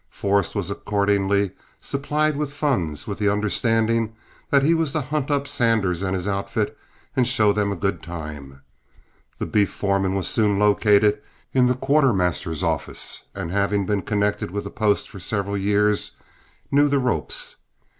Forrest was accordingly supplied with funds, with the understanding that he was to hunt up Sanders and his outfit and show them a good time. The beef foreman was soon located in the quartermaster's office, and, having been connected with the post for several years, knew the ropes.